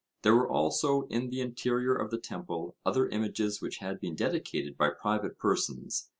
There were also in the interior of the temple other images which had been dedicated by private persons.